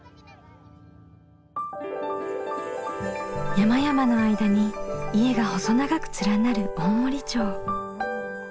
山々の間に家が細長く連なる大森町。